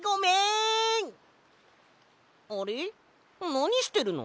なにしてるの？